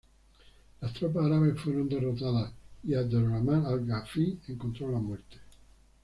Las tropas árabes fueron derrotadas y Abd-ar-Rahman al-Ghafiqi encontró la muerte.